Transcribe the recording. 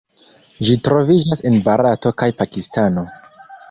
Ĝi troviĝas en Barato kaj Pakistano.